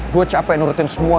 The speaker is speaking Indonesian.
gue capek nurutin semua